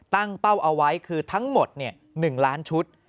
ตั้งเป้าเอาไว้คือทั้งหมดเนี่ย๑ล้านชุด